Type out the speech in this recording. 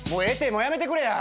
もうやめてくれや。